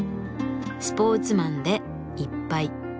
「スポーツマンでいっぱい」。